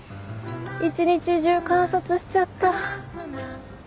一日中観察しちゃった。